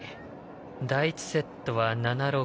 第１セットは７−６。